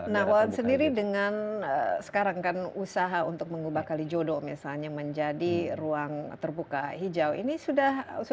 nah wan sendiri dengan sekarang kan usaha untuk mengubah kali jodoh misalnya menjadi ruang terbuka hijau ini sudah betul memang betul